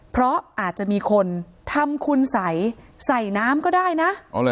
เพราะอาจจะมีคนทำคุณสัยใส่น้ำก็ได้นะ